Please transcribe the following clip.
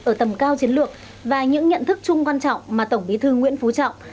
ở tầm cao chiến lược và những nhận thức chung quan trọng mà tổng bí thư nguyễn phú trọng